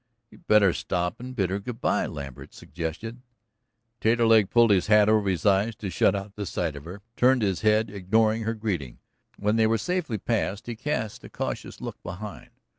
"You'd better stop and bid her good bye," Lambert suggested. Taterleg pulled his hat over his eyes to shut out the sight of her, turned his head, ignoring her greeting. When they were safely past he cast a cautious look behind.